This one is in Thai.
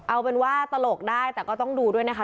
เอาเป็นว่าตลกได้แต่ก็ต้องดูด้วยนะคะ